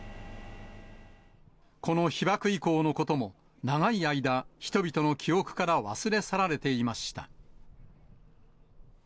この被爆遺構のことも、長い間、人々の記憶から忘れ去られていました。